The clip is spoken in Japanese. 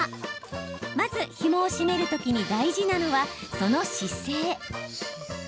まず、ひもを締めるときに大事なのは、その姿勢。